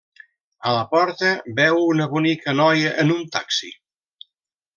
A la porta, veu una bonica noia en un taxi.